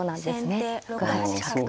６八角と。